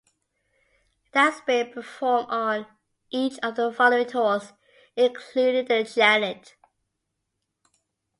It has been performed on each of her following tours, including the janet.